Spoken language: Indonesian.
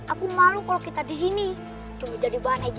aku malu kalo kita disini cuma jadi bahan ejr